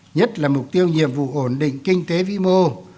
nhất là mục tiêu nhiệm vụ ổn định kinh tế vĩ mô